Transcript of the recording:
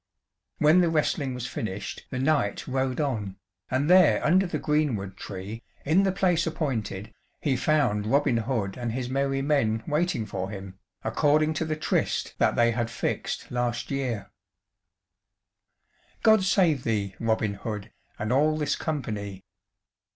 When the wrestling was finished the knight rode on, and there under the greenwood tree, in the place appointed, he found Robin Hood and his merry men waiting for him, according to the tryst that they had fixed last year: "God save thee, Robin Hood, And all this company."